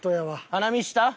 花見した？